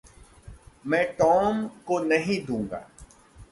मैं टॉम को नहीं दूँगा।